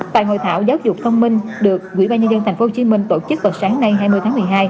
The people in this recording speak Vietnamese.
tại hội thảo giáo dục thông minh được quỹ ba nhân dân tp hcm tổ chức vào sáng nay hai mươi tháng một mươi hai